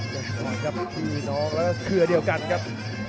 พี่น้องแล้วก็เผื่อเดียวกันครับ